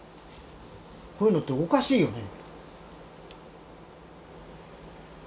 こういうのっておかしいよね。